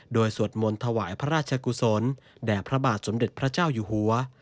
โดยสวดมนต์ถวายพระราชกุศลแด่พระบาทสมเด็จพระเจ้าอยู่หัว